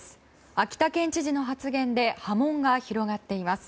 秋田県知事の発言で波紋が広がっています。